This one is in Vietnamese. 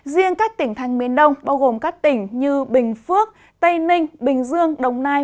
riêng các tỉnh thành miền đông bao gồm các tỉnh như bình phước tây ninh bình dương đồng nai